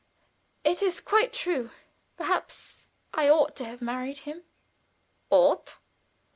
It is quite true. Perhaps I ought to have married him." "Ought!"